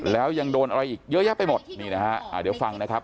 แล้วยังโดนอะไรอีกเยอะแยะไปหมดนี่นะฮะอ่าเดี๋ยวฟังนะครับ